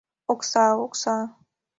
— Окса, окса...